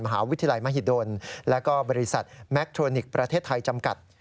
มหาวิทยาลัยมหิดลและก็บริษัทแมคโทนิกส์ประเทศไทยจำกัด